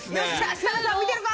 設楽さん見てるか。